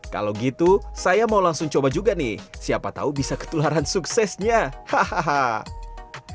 kalau gitu saya mau langsung coba juga nih siapa tahu bisa ketularan suksesnya hahaha